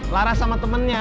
laras sama temennya